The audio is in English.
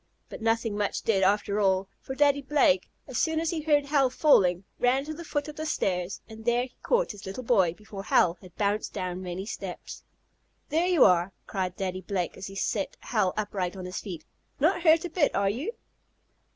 But nothing much did, after all, for Daddy Blake, as soon as he heard Hal falling, ran to the foot of the stairs, and there he caught his little boy before Hal had bounced down many steps. "There you are!" cried Daddy Blake, as he set Hal upright on his feet. "Not hurt a bit; are you?"